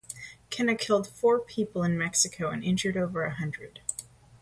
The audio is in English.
Kenna killed four people in Mexico and injured over a hundred.